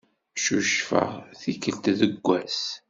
Ccucufeɣ tikkelt deg wass.